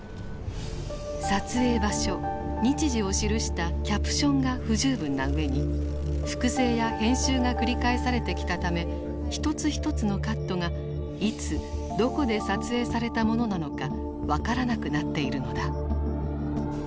撮影場所日時を記したキャプションが不十分な上に複製や編集が繰り返されてきたため一つ一つのカットがいつどこで撮影されたものなのか分からなくなっているのだ。